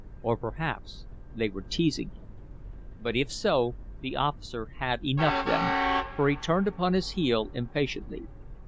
Or perhaps they were teasing him. But if so, the officer had enough then, for he turned upon his heel impatiently.